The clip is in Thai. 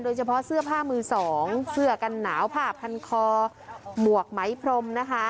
เสื้อผ้ามือสองเสื้อกันหนาวผ้าพันคอหมวกไหมพรมนะคะ